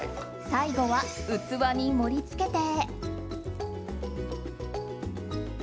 最後は器に盛り付けて。